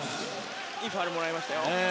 いいファウルをもらいましたよ。